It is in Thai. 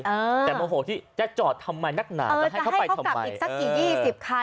เออแต่โมโหที่จะจอดทำไมนักหนาจะให้เขาไปทำไมกลับอีกสักกี่ยี่สิบคัน